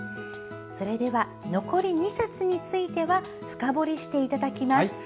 残り２冊については深掘りしていただきます。